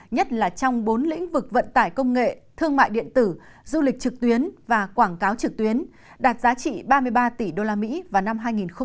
nhất là trong bốn lĩnh vực vận tải công nghệ thương mại điện tử du lịch trực tuyến và quảng cáo trực tuyến đạt giá trị ba mươi ba tỷ usd vào năm hai nghìn hai mươi